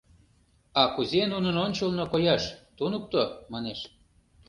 — А кузе нунын ончылно кояш, туныкто? — манеш.